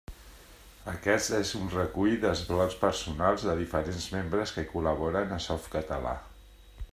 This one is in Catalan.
Aquest és un recull dels blocs personals de diferents membres que col·laboren a Softcatalà.